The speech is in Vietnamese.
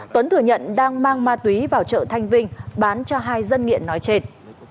tuấn thừa nhận đang mang ma túy vào chợ thanh vinh bán cho hai dân nghiện nói trên